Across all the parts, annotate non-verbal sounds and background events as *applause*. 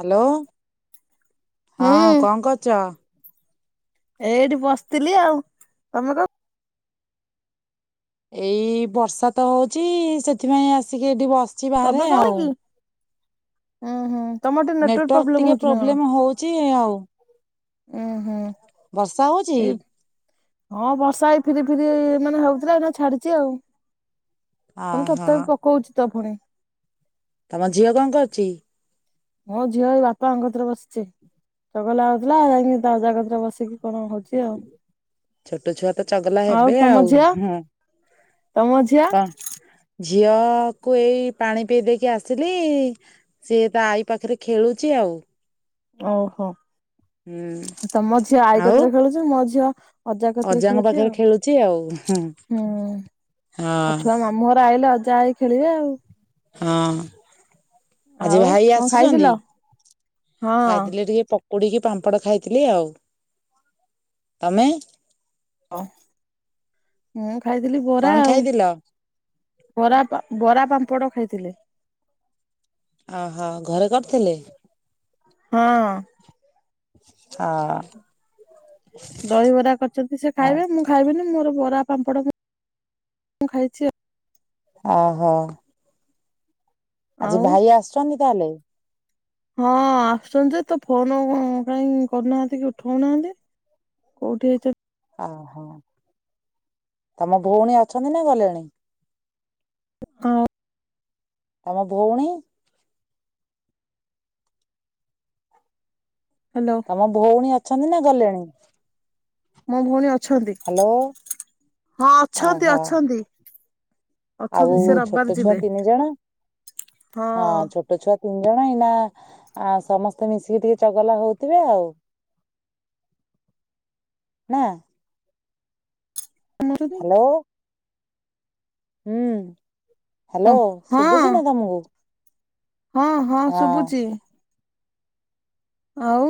Hello ହଁ ହୁଁ କଅଁ କରୁଛ? ଏଇଠି ବସିଥିଲି ଆଉ ତମର? ଏଇ ବର୍ଷା ତ ହଉଛି ସେଥିପାଇଁ ଆସିକି ଏଠି ବ ତମେ କଣ କି ହୁଁ ହୁଁ। ତମର ଟିକେ ନେଟୱାକ ନେଟୱାର୍କ ପ୍ରୋବଲେ ଟିକେ ହଉଚି ନା କଣ ପ୍ରୋବ୍ଲେମ ହଉଛି ଆଉ ହୁଁ ହୁଁ। ବର୍ଷା ହଉଛି? ଏଇ ହଁ ବର୍ଷା ଏଇ ଫିରି ଫିରି ମାନେ ହଉଥିଲା ଏଇଖିନା ଛାଡିଛି ଆଉ। ମାନେ ଓହୋ ତଥାବି ପକଉଛିି ତ ପୁଣି। ତମ ଝିଅ କଥଁ କରୁଛି? ମୋ ଝିଅ ଏଇ ବାପାଙ୍କ କତିରେ ବସିଛି ଚଗଲା ହଉଥିଲା ଯାଇକି ତା ଅଜାଙ୍କ କତିରେ ବସିକି କଣ ହଉଛି। ଆଉ ଛୋଟ ଛୁଆ ତ ଚଗଲା ହେବେ ତମ ଆଉ ଝିଅ ହୁଁ। ତମ ଝିଅ? ଝିଅ କୁ ଏଇ ପାଣି ପେଇ ଦେଇକି ଆସିଲି ସିଏ ତା ଆଇ ପାଖରେ ଖେଳୁଛି ଆଉ। ଓହୋ ହୁଁ ତମ ଝିଅ ଆଇ ଆଉ କତିରେ ଖେଳୁଛି ମୋ ଝିଅ ଅଜା କତିରେ ଅଜାଙ୍କ ଖେଳୁଛି ପାଖରେ ଆଉ ଆଉ ହୁଁ। ହଁ ଆଉ ଛୁଆ ମାମୁଁ ଘର ଆଇଲେ ଅଜା ଆଇ ଖେଳିବେ ଆଉ। ହଁ ଆଜି ଆଉ ଭାଇ କଣ ଖାଇଥିଲ ଆସୁଛନ୍ତି ହଁ। ଆସିଲେ ଟିକେ ପ ମୁଡିକି ପାମ୍ପଡ଼ ଖାଇଥିଲି ଆଉ ତମେ? ଓ ମୁଁ ଖାଇଥିଲି ବରା କଣ ଆଉ। ଖାଇଥିଲ? ବରା ବରା ପାମ୍ପଡ଼ ଖାଇଥିଲି। ଅହୋ ଘରେ କରିଥିଲେ। ହଁ। ଅ ଦହିବରା କରିଛନ୍ତି ସେ ଖାଇବେ ମୁଁ ଖାଇବିନି ମୋର ବରା ପାମ୍ପଡ଼ ମୁଁ ଖାଇଛି ଆଉ। ଓହୋ। ଆଜି ଆଉ ଭାଇ ଆସୁଛନ୍ତି ତାହେଲେ। ହଁ ଆସୁଛନ୍ତି ଯେ, ତ ଫୋନ କାଇଁ କରୁନାହାନ୍ତି କି ଉଠୋଉନାହାନ୍ତି। କୋଉଠି ହେଇଚ? ଓହୋ ତମ ଭଉଣୀ ଅଛନ୍ତି ନା ଗଲେଣି? ହଁ।। ତମ ଭଉଣୀ? ହାଲୋ। ତମ ଭଉଣୀ ଅଛନ୍ତି ନା ଗଲେଣି? ମୋ ଭଉଣୀ ଅଛନ୍ତି ହ୍ୟାଲୋ ହଁ ଅଛନ୍ତି ଓହୋ ଅଛନ୍ତି। ଆଉ ଅଛନ୍ତି ସେ ଛୋଟ ରବିବାର ଛୁଆ ଯିବେ। ତିନି ଜଣ? ହଁ। ଛୋଟ ଛୁଆ ତିନି ଜଣ ଏଇନା ଆ ସମସ୍ତେ ମିଶିକି ଟିକେ ଚଗଲା ହଉଥିବେ ଆଉ। ନାଁ? ହାଲୋ। ହୁଁ ହାଲୋ ହଁ ଶୁଭୁଚି ନା ତମୁକୁ? ହଁ ହଁ ଶୁଭୁଚି। ଆଉ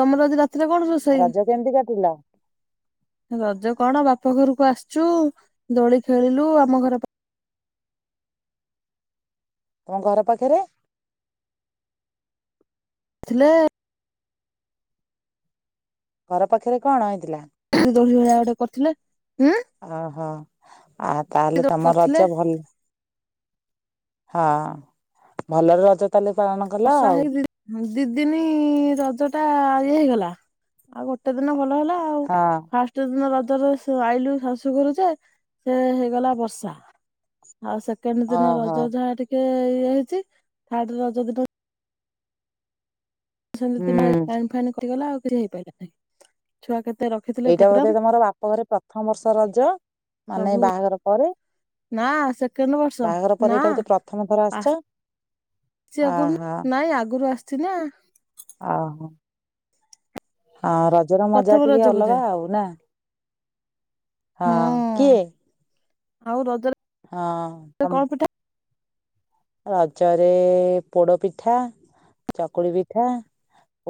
ତମର ଆଜି ରାତିରେ କଣ ରୋ ରଜ କେମିତି କଟିଲା? ରଜ କଣ ବାପ ଘରକୁ ଆସିଚୁ ଦୋଳି ଖେଳିଲୁ ଆମ ଘର ତମ ଘର ପାଖରେ ସିଲୁ ଘର ପାଖେରେ କଣ ହେଇଥିଲା? ଦୋଳି ଭଳିଆ ଗୋଟେ କରିଥିଲେ। ଓହୋ ଆଉ ତାହେଲେ ତମ କରିଥିଲେ ରଜ ଭଲ ହଁ ଭଲରେ ରଜ ତାହେଲେ ପାଳନ କଲ ବର୍ଷା ଆଉ। ହେଇକି ଦି ଦିନି ରଜଟା ଇଏ ହେଇଗଲା ଆଉ ଗୋଟେ ଦିନ ଭଲ ହେଲା। ହଁ। ଗୋଟେ ଦିନ ରଜରେ ସେ ଆଇଲୁ ଶାଶୁ ଘରୁ ଯେ ସେ ହେଇଗଲା ବର୍ଷା। ଆଉ ସେକେଣ୍ଡ ଦିନ ଓହୋ ରଜ ଯାହା ଟିକେ ଇଏ ହେଇଚି, ଥାର୍ଡ ରଜ ଦିନ ସେନ୍ତି ନାଇ ହୁଁ ପାଣି ଫାଣୀ କରିଗଲା ଆଉ କିଛି ହେଇପାରିଲା ନାହିଁ, ଛୁଆ କେତେ ରଖି ଏଇଟା ବୋଧେ ତମର ବାପଘରେ ପ୍ରଥମ ବର୍ଷ ରଜ ମାନେ ସବୁ ବାହାଘର ପରେ? ନା ସେକେଣ୍ଡ ବର୍ଷ ବାହାଘର ନା ପରେ ଏଇଟା ବୋଧେ ପ୍ରଥମ ଥର ଆସିଚ? ସିଆ କହୁନୁ ନାଇ ଆଗରୁ ଆସିଚି ନା। ଓହୋ। ହଁ ରଜର ମଜା ପ୍ରଥମ ଟିକେ ରଜ ବୋଧେ ଅଲଗା ଆଉ ନା, ହଁ କିଏ? ଆଉ ରଜରେ ହଁ ଆମ କଣ ପିଠା ରଜରେ ପୋଡ଼ପିଠା ଚକୁଳିପିଠା,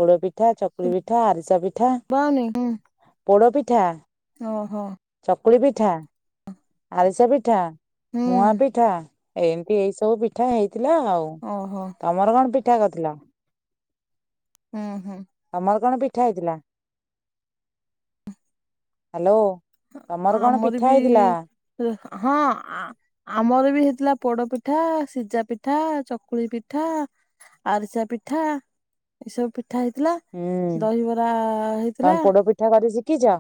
ପୋଡପିଠା, ଚକୁଳିପିଠା, ଆରିସାପିଠା। ଶୁଭା ଯାଉନି। ହୁଁ। ପୋଡ଼ପିଠା। ଓହୋ। ଚକୁଳିପିଠା, ଆଳିସାପିଠା, ମୁଆ ହୁଁ ପିଠା। ଏମିତି ଏଇ ସବୁ ପିଠା ହେଇଥିଲା ଆଉ। ଓହୋ। ତମର କଣ ପିଠା କରିଥିଲା? ହୁଁ ହୁଁ। ତମର କଣ ପିଠା ହେଇଥିଲା? ହାଲୋ। ଅ ତମର କଣ ଆମର ପିଠା ବି ହେଇଥିଲା? ଏ ହଁ ଆ ଆମର ବି ହେଇଥିଲା ପୋଡପିଠା, ସିଝାପିଠା, ଚକୁଳିପିଠା। ଆରିସାପିଠା। ଏଇ ସବୁ ପିଠା ହେଇଥିଲା। ହୁଁ ଦହିବରା ତମେ ହେଇଥିଲା। ପୋଡ ପିଠା କରି ଶିକିଚ।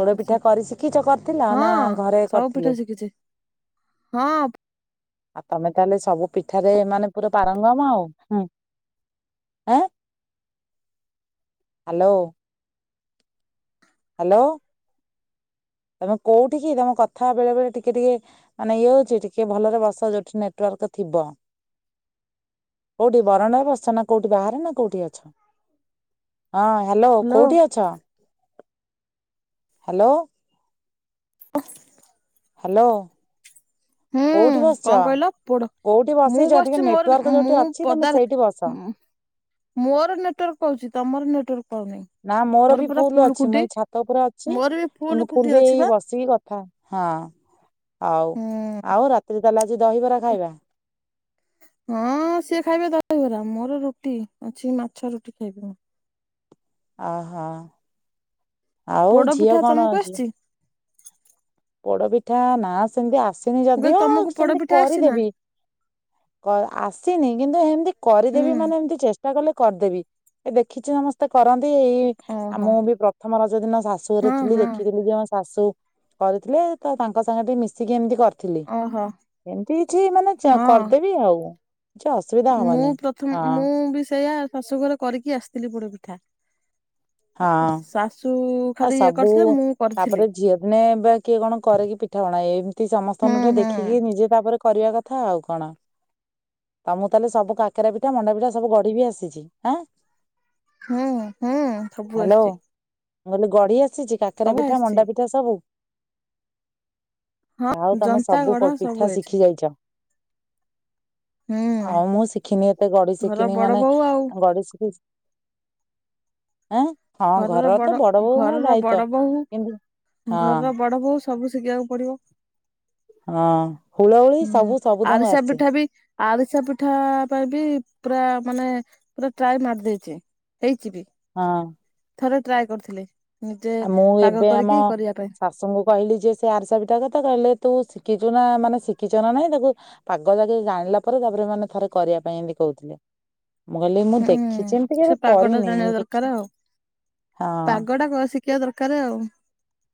ପୋଡ଼ ପିଠା କରି ଶିଖିଚ କରିଥିଲ। ନା ହଁ ଘରେ ସବୁ ପିଠା କରିଥିଲେ। ଶିଖିଛି ହଁ। ଆଉ ତମେ ତାହେଲେ ସବୁ ପିଠାରେ ମାନେ ପୁରା ପାରଙ୍ଗମ ଆଉ। ହୁଁ। ଆଁ ହାଲୋ। ହାଲୋ। ତମେ କୋଉଠିକି ତମ କଥା ବେଳେ ବେଳେ ଟିକେ ଟିକେ ମାନେ ଇଏ ହଉଚି ଟିକେ ଭଲରେ ବସ ଯୋଉଠି ନେଟ୍ ୱାର୍କ ଥିବ। କୋଉଠି ବରଣ୍ଡାରେ ବସିଚ। ନା କଉଠି ବାହାରେ ନା କୋଉଠି ଅ ହଁ ହାଲୋ ହ୍ୟାଲୋ। କୋଉଠି ଅଛ? ହାଲୋ। *inaudible* ହାଲୋ। ହୁଁ କଣ କହିଲ? ପୋଡ଼ କୋଉଠି ବସିଛ ମୁଁ ଟିକେ ବସ୍ଚି ମୋର ନେଟୱାର୍କ ଉଁ ଯୋଉଠି ମୁଁ ଅଛି ତମେ ପଦାରେ ସେଇଠି ବସ। ହୁଁ। ମୋର ନେଟୱାର୍କ୍ ପାଉଚି। ତମର ନେଟୱାର୍କ୍ ପାଉନି। ନା ମୋର ବି ପୁରା ଫୁଲ୍ ଫୁଲ ଅଛି। ମୁଁ ଖୁଣ୍ଟି ଏଇ ଛାତ ଉପରେ ଅଛି। ମୋର ବି କିନ୍ତୁ ଖୁଣ୍ଟି ଫୁଲ ବି ଅଛି ଏଇ ବା ବସିକି କଥା ହଁ ଆଉ ହୁଁ। ଆଉ ରା *unintelligible* ଦହିବରା ଖାଇବା। ହଁ ସିଏ ଖାଇବେ ଦହିବରା। ମୋର ରୁଟି ଅଛି ମାଛ ରୁଟି ଖାଇବି ମୁଁ। ଅହ ଆଉ ପୋଡ ଝିଅ ପିଠା କଣ ତମକୁ ଆଜି ଆସିଛି ପୋଡ଼ପିଠା ନା ସେମିତି ଆସିନି ମୁଁ କହିଲି ଯଦିଓ ତମକୁ ପୋଡ ସେମତି ପିଠା ଆସିଛି ନା କରିଦେବି। କ ଆସିନି କିନ୍ତୁ ହେମନ୍ତି ହୁଁ କରିଦେବି ମାନେ ଏମିତି ଚେଷ୍ ମୁ କହିଲି କରିଦେବି। ଏ ଦେଖିଛି ସମସ୍ତେ କରନ୍ତି ଏଇ ଆଉ ଓହୋ। ମୁଁ ବି ପ୍ରଥମ ରଜ ଦିନ ଶାଶୁ ହଁ ହଁ *unintelligible* ଶାଶୁ କରିଥିଲେ। ତ ତାଙ୍କ ସାଙ୍ଗେ ଟିକେ ମିଶିକି ଏମିତି କରି ଥିଲି। ଓହୋ ଏମନ୍ତି କିଛି ମାନେ ଚା ହଁ। କରିଦେବି ଆଉ। କିଛି ଅସୁବିଧା ମୁଁ ହବନି ପ୍ରଥମେ ହଁ ମୁଁ ବି ସେଇଆ ଶାଶୁଘରେ କରିକି ଆସଥିଲି ପୋଡ଼ ପିଠା। ହଁ ଶାଶୁ ଆଉ ଖାଲି ଇଏ ସବୁ କରିଥିଲେ। ମୁଁ କରିଥିଲି ତାପରେ ଝିଅଦିନେ ଏବେ କିଏ କଣ କରେ କିି ପିଠାପଣା? ଏମନ୍ତି ହୁଁ ସମସ୍ତଙ୍କ ଟୁ ଟିକେ ହୁଁ। ଦେଖିକି ମି ନିଜେ ତା ପରେ କରିବା କଥା ଆଉ କଣ। ତମକୁ ତାହେଲେ ସବୁ କାକେରା ପିଠା, ମଣ୍ଡା ପିଠା ସବୁ ଗଢ଼ିବି ଆସିଚି। ଆଁ ହଁ ହଁ ସବୁ ହ୍ୟାଲୋ। ଆସଚି। ମୁଁ କହିଲି ଗଢି଼ ଆସିଚି କାକେରା ପିଠା, ଆସିଛି ମଣ୍ଡା ପିଠା ସବୁ। ହଁ ଯାହା ହଉ ତମେ ଜନ୍ତା ସବୁ ଗଢା ପୋ ସବୁ ପିଠା ଆଇଛି। ଶିଖି ଯାଇଚ। ହୁଁ ଆଉ ମୁଁ ଶିଖିନି ଏତେ ଗଢ଼ି ଘର ଶିଖିନି। ବଡ ମାନେ ବୋଉ ଆଉ ଗଢ଼ି *unintelligible* ଏଁ ହଁ ଘର ଘଡ଼ ଘରର ବଡ଼ ବୋହୁ ହଁ ଘରର ବଡ଼ ବୋହୁ ସବୁ ଶିଖିବାକୁ ପଡ଼ିବ। ହଁ ହୁଳହୁଳି ସବୁ ସବୁ ତମକୁ ଆରିସା ଆସଚି। ପିଠା ବି ଆରିସା ପିଠା ପାଇଁ ବି ପୁରା ମାନେ ପୁରା ଟ୍ରାଏ ମାରି ଦେଇଚି। ହେଇଚି ବି। ହଁ। ଥରେ ଟ୍ରାଏ କରିଥିଲି। ନିଜେ ଆଉ ମୁଁ ପାଗ ଏବେ ଆମ କରିକି କରିବା ପାଇଁ। ଶାଶୁଙ୍କୁ କହିଲି ଯେ ସେ ଆରିସା ପିଠା କଥା କହିଲେ ତୁ ଶିକିଚୁ ନା ମାନେ ଶିକିଚ ନା ନାଇଁ। ତାକୁ ପାଗଟା ଟିକେ ଜାଣିଲା ପରେ ତାପରେ ମାନେ ଥରେ କରିବା ପାଇଁ ଏମିତି କହୁଥିଲେ। ମୁଁ କହିଲି ମୁଁ ହୁଁ। ଦେଖିଚି ଏମନ୍ତି। ସେ କେବେ ପାଗ ଟା କରିନି। ଜାଣିବା ଦରକାର ଦେଖିଆ ଆଉ ହଁ। ଶିକିବା ଦରକାର ଆଉ।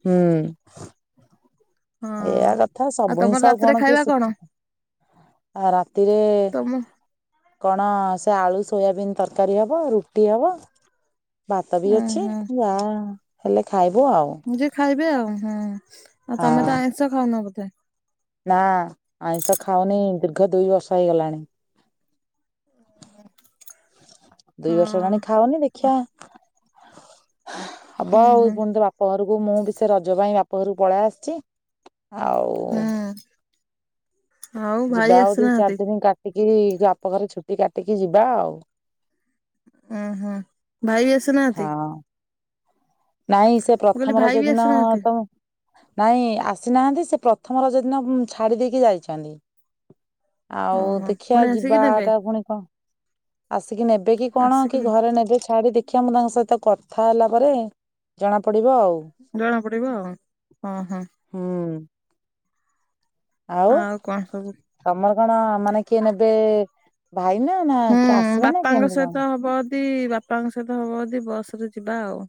ହୁଁ। ହଁ। ଏଇଆ କଥା ଆଉ ସବୁ ତମର ହିସାବ ରାତିରେ କଣ କିଏ ଖାଇବା ଶିଖି ହଁ ରାତିରେ ତମ କଣ ସେ ଆଳୁସୋୟାବିନ୍ ତରକାରୀ ହବ, ରୁଟି ହବ। ଭାତ ବି ଉଁ ଅଛି। ହୁଁ ଯାଆ ଖାଲି ଖାଇବୁ ଆଉ। ମୁଁ ଯିବି ଖାଇବି ଆଉ। ହୁଁ, ଆଉ ହଁ ତମେତ ଆଇଁଷ ଖାଉନ ବୋଧେ। ନା ଆଇଁଷ ଖାଉନି ଦୀର୍ଘ ଦୁଇ ବର୍ଷ ହେଇଗଲାଣି। ଦୁଇ ହଁ ବର୍ଷ ହେଲାଣି ଖାଉନି ଦେଖିବା ହବ ହୁଁ ଆଉ ହୁଁ ପୁଣି ତ ବାପ ଘରକୁ ମୁଁ ବି ସେ ରଜ ପାଇଁ ବାପ ଘରକୁ ପଳାଆସିଛି। ଆଉ ହୁଁ ଆଉ ଭାଇ ଯିବା ଆଉ ଦି ଆସିନାହାନ୍ତି? ଚାରି ଦିନ କାଟିକି ବାପଘରେ ଛୁଟି କାଟିକି ଯିବା ଆଉ। ଅଁ ହଁ ଭାଇ ଆସ ହଁ। ନାଇଁ ସେ ମୁଁ କହିଲି ପ୍ରଥମ ଭାଇ ରଜ ବି ଦିନ ଆସିନାହାନ୍ତି? ତ ନାଇଁ ଆସିନାହାନ୍ତି ସେ ପ୍ରଥମ ରଜ ଦିନ ଛାଡ଼ି ଦେଇକି ଯାଇଛନ୍ତି। ଆଉ ଓହୋ ଦେଖିବା ପୁଣି ଆସିକି ଯିବା ନେବେ ଟା ପୁଣି କଣ? ଆସିକି ନେବେ କି କଣ ଆସିକି କି ଘରେ ନେବେ ଛାଡି ଦେଖିବା ମୁଁ ତାଙ୍କ ସହିତ କଥା ହେଲା ପରେ ଜଣା ପଡିବ ଆଉ। ଜଣା ପଡିବ ଆଉ, ହଁ ହଁ। ହୁଁ। ଆଉ କଣ ସବୁ? ତମର କଣ ମାନେ କିଏ ନେବେ ଭାଇ ନା ନା କି ଆସିବେ ନା କେମିତି କଣ? ସେଇ ବାପାଙ୍କ ସହିତ ହବ ଯଦି ବସ ରେ ଯିବା ଆଉ।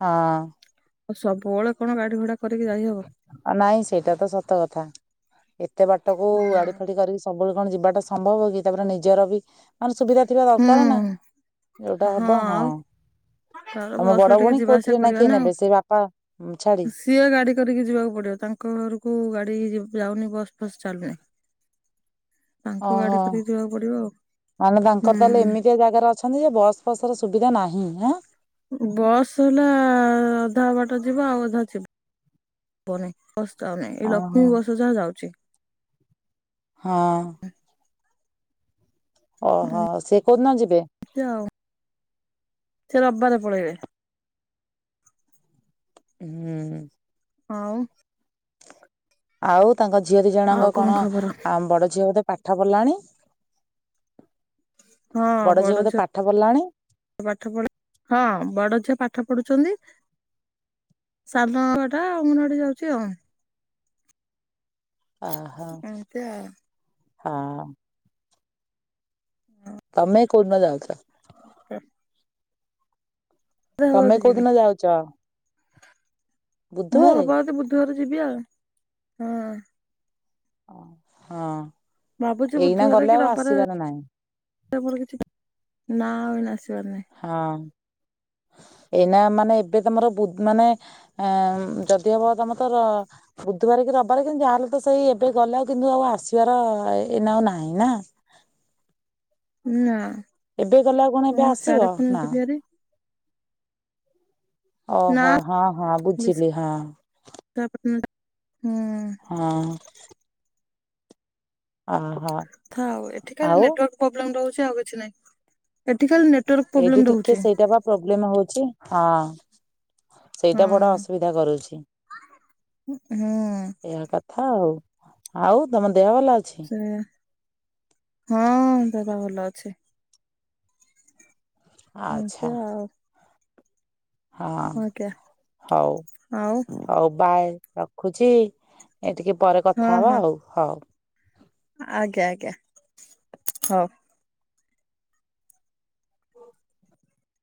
ହଁ। ଆଉ ସବୁବେଳେ କଣ ଗାଡି ଘୋଡା କରିକି ଯାଇହବ? ନାଇଁ ସେଇଟା ତ ସତ କଥା, ଏତେ ବାଟକୁ ଗାଡି ଫାଡି କରିକି ସବୁବେଳେ କଣ ଯିବାଟା ସମ୍ଭବ କି? ତାପରେ ନିଜର ବି ମାନେ ସୁବିଧା ଥିବା ହୁଁ ଦରକାର ନା ଯୋଉଟା ହବ ହଁ। ତାର ତମ ବସରେ ବଡ ଟିକେ ଭଉଣୀ ଯିବା ଆସିବା କୋଉଥିରେ କରିବା କିଏ ନା ଆଉ। ନେବେ ସେ ବାପା ଉଁ, ଛାଡି କିଏ ଗାଡି କରିକି ଯିବାକୁ ପଡିବ ତାଙ୍କ ଘରକୁ ଗାଡି ଯାଉନି ବସ୍ ଫସ୍ ଚାଲୁନି। ତାଙ୍କୁ ଅହ ଗାଡି କରିକି ଯିବାକୁ ପଡିବ ଆଉ ମାନେ ତାଙ୍କର ତାହେଲେ ହୁଁ। ଏମିତିଆ ଜାଗାରେ ଅ ଅଛନ୍ତି ଯେ ବସ୍ ଫସର ସୁବିଧା ନାହିଁ ଆଁ? ବସ୍ ହେଲା ଅଧା ବାଟ ଯିବ ଆଉ ଅଧା ଝିପ ବନାଇଁ ବସ୍ ଯାଉନି ଏଇ ଓହୋ ଲକ୍ଷ୍ମୀ ବସ ଯାହା ଯାଉଛି। ହଁ। ଓହୋ ସିଏ କୋଉଦିନ ଯିବେ? ଯିବେ ଆଉ ସେ ରବିବାରେ ପଳେଇବେ। ହୁଁ। ଆଉ ଆଉ ତାଙ୍କ ଝିଅ ଦି ଆଉ ଜଣଙ୍କ କଣ ଖବର ଆ ବଡ ଝିଅ ବୋଧେ ପାଠ ପଢିଲାଣି? ହଁ ବଡ ବଡ଼ ବୋଧେ ଝିଅ ପାଠ ପଢିଲାଣି ପାଠ ପଢ ହଁ ବଡ ଝିଅ ପାଠ ପଢୁଛନ୍ତି। ସାନ ଛୁଆଟା ଅଙ୍ଗନବାଡି ଯାଉଛି ଆଉ। ଆ ହା ଏମିତି ଆଉ ଆ ଅଁ ତମେ କୋଉଦିନ ଯାଉଥିଲ? ହୁଁ। ତମେ ଯିବି କୋଉଦିନ ଯାଉଛ? ମୁଁ ବୁଧୁବାରେ ହବ ଯଦି ବୁଧବାର ଯିବି ଆଉ ହଁ। ଓ ଭାବୁଛି ଏଇନା ବୁଧବାର କି ଗଲେ ଆଉ ରବିବାର ଆସିବାର ନାହିଁ। କିଛି ନା ନାଁ ଏଇନା ଆସିବାର ନାହିଁ। ହଁ। ଏଇନା ମାନେ ଏବେ ତମର ବୁ ମାନେ ଯଦି ହବ ତମେ ତର ବୁଧବାର କି ରବିବାର କିନ୍ତୁ ଯାହାହେଲେ ତ ସେଇ ଏବେ ଗଲେ ଆଉ କିନ୍ତୁ ଆଉ ଆସିବାର ଏଇନା ଆଉ ନାହିଁ ନା? ନା ଏବେ ଗଲେ ଆଉ କଣ ଏବେ ମୁଁ ଆସିବ ସିଆଡେ ପୁଣି ନା? ଯିବି ଆରୀ। ନା ଓହୋ ହଁ ହଁ ବୁଝିଲି ହଁ। ତାପ *unintelligible* ହୁଁ। ହଁ। ଓ ହଁ। ଥାଉ ଏଠି ଖାଲି ନେଟୱାର୍ ପୋବ୍ଲେମ ରହୁଛି ଆଉ କିଛି ନାଇଁ ଏଠି ଖାଲି ନେଟୱାର୍ ପୋବ୍ଲେମ ରହୁଛି। ପୋବ୍ଲେମ ହଉଛି ହଁ। ସେଇଟା ବଡ ହଁ ଅସୁବିଧା କରଉଚି *inaudible* ହୁଁ ଏଇଆ କଥା। କଥା ଆଉ ଆଉ ତମ ଦେହ ଭଲ ଅଛି? ହୁଁ ହଁ ଦେହପା ଭଲ ଅଛି। ଆଚ୍ଛା ଏମିତି ଆଉ ହଁ ଆଜ୍ଞା ହଉ ଆଉ ହଉ। ବାଏ ରଖୁଚି ଏ ଟିକେ ପରେ କଥା ହଁ ହବା ହଁ ଆଉ ହଉ। ଆଜ୍ଞା ଆଜ୍ଞା ହୋଉ।